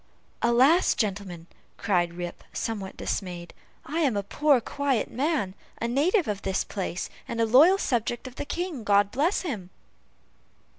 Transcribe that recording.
"Alas! gentlemen," cried Rip, somewhat dismayed, "I am a poor, quiet man, a native of the place, and a loyal subject of the King, God bless him!"